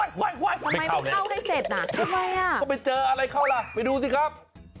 ทำไมไม่เข้าให้เสร็จอ่ะทำไมอ่ะก็ไปเจออะไรเข้าล่ะไปดูสิครับ